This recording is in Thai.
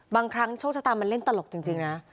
บางครั้งโชคชะตามันเล่นตลกจริงนะ